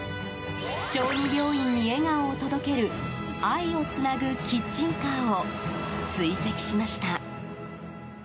小児病院に笑顔を届ける愛をつなぐキッチンカーを追跡しました。